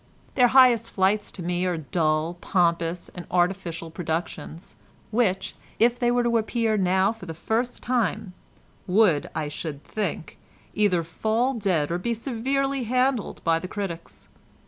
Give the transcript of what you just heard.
Their highest flights to me are dull, pompous and artificial productions, which, if they were to appear now for the first time, would, I should think, either fall dead or be severely handled by the critics.